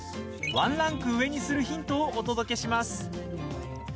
ワンランク上にするヒントをお届けします。